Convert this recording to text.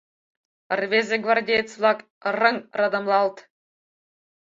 Рвезе гвардеец-влак, рыҥ радамлалт